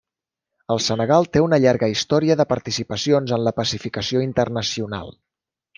El Senegal té una llarga història de participacions en la pacificació internacional.